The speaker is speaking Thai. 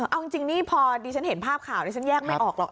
เอาจริงนี่พอดีฉันเห็นภาพข่าวดิฉันแยกไม่ออกหรอก